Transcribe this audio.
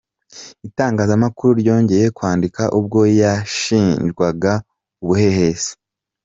Itangazamakuru ryongeye kwandika ubwo yashinjwaga ubuhehesi.